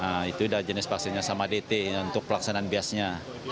nah itu sudah jenis vaksinnya sama tt untuk pelaksanaan biasnya